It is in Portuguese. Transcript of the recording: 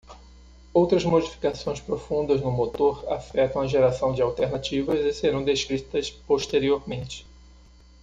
Outras modificações profundas no motor afetam a geração de alternativas e serão descritas posteriormente.